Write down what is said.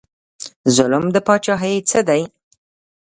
ظلم د پاچاهۍ څه دی؟